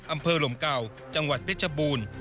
อำเภอลมเก่าจังหวัดเพชรบูรณ์